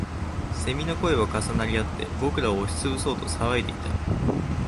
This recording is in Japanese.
蝉の声は重なりあって、僕らを押しつぶそうと騒いでいた